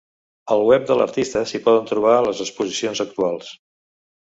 Al web de l'artista s'hi poden trobar les exposicions actuals.